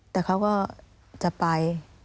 แต่เขาก็จะไป